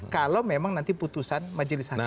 kalau memang nanti putusan majelis hakim